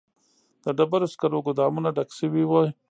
د ډبرو سکرو ګودامونه ډک شوي وي